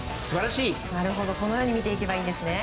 このように見ていけばいいんですね。